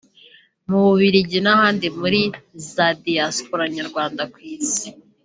Mu Bubiligi n’ahandi muri za Diaspora nyarwanda ku Isi